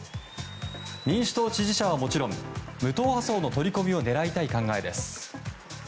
民主党支持者はもちろん無党派層の取り込みを狙いたい考えです。